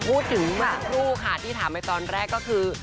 พูดถึงแม่กลูกค่ะที่ถามไว้ตอนแรกก็คือ